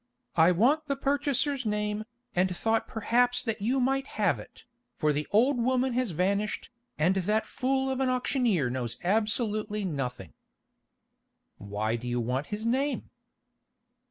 I want the purchaser's name, and thought perhaps that you might have it, for the old woman has vanished, and that fool of an auctioneer knows absolutely nothing." "Why do you want his name?"